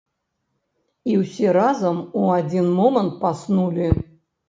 І ўсе разам у адзін момант паснулі.